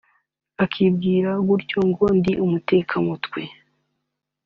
Akimbwira gutyo ngo ndi umutekamutwe